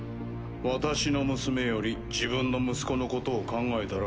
私の娘より自分の息子のことを考えたら。